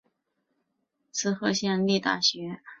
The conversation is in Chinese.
滋贺县立大学